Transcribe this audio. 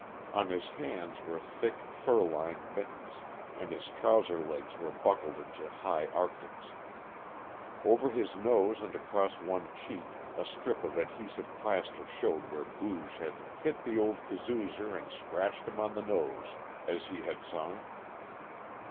On his hands were thick, fur lined mittens, and his trouser legs were buckled into high arctics. Over his nose and across one cheek a strip of adhesive plaster showed where Booge had "hit the old kazoozer and scratched him on the nose," as he had sung.